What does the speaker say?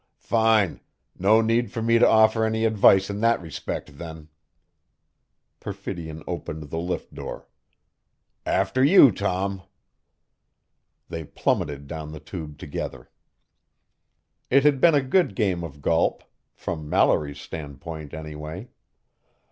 "Fine no need for me to offer any advice in that respect then." Perfidion opened the lift door. "After you, Tom." They plummeted down the tube together. It had been a good game of golp from Mallory's standpoint, anyway.